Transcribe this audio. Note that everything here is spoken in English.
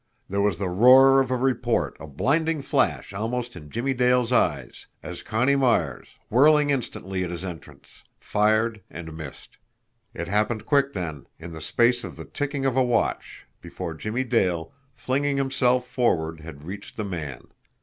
There was the roar of a report, a blinding flash almost in Jimmie Dale's eyes, as Connie Myers, whirling instantly at his entrance, fired and missed. It happened quick then, in the space of the ticking of a watch before Jimmie Dale, flinging himself forward, had reached the man.